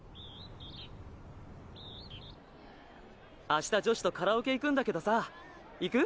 明日女子とカラオケ行くんだけどさ行く？